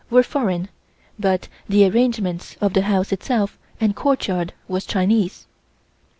were foreign, but the arrangement of the house itself and courtyard was Chinese.